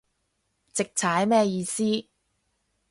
直踩咩意思